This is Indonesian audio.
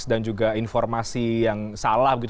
dan juga informasi yang salah gitu